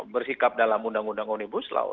berhikap dalam undang undang umni buslaw